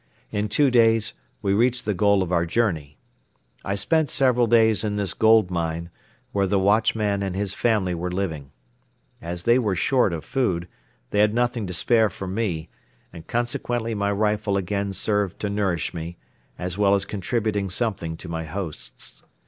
In two days we reached the goal of our journey. I spent several days in this gold mine, where the watchman and his family were living. As they were short of food, they had nothing to spare for me and consequently my rifle again served to nourish me, as well as contributing something to my hosts.